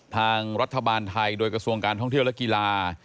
ทางรัฐบาลไทยโดยกระทรวงการท่องเที่ยวและกีฬา